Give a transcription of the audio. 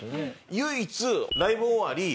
唯一ライブ終わり